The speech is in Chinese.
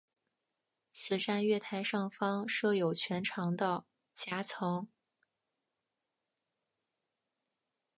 此站月台上方设有全长的夹层。